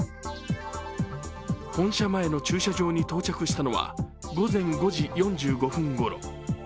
本社前の駐車場に到着したのは午前５時４５分ごろ。